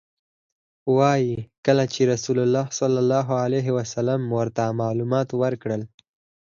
وایي کله چې رسول الله صلی الله علیه وسلم ورته معلومات ورکړل.